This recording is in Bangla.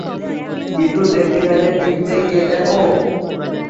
কিছু দেখতে চাইলে টিভিতে গিয়ে দেখ!